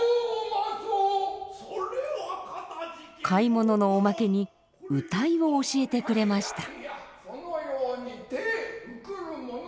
買い物のおまけに謡を教えてくれました。